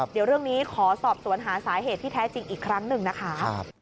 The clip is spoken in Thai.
เดี๋ยวเรื่องนี้ขอสอบสวนหาสาเหตุที่แท้จริงอีกครั้งหนึ่งนะคะ